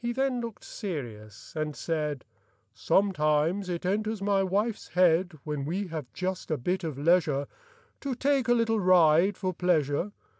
then looked serious and said :— 1897. Copyrighted, Xf^OMETIMES it enters my wife's head, When we have just a bit of leisure, To take a little ride for pleasure.